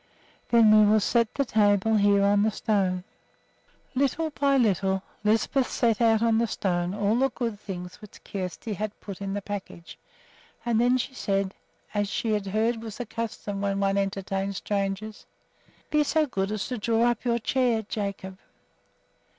"Then we will set the table here on the stone." Little by little Lisbeth set out on the stone all the good things which Kjersti had put in the package; and then she said, as she had heard was the custom when one entertained strangers, "Be so good as to draw up your chair, Jacob."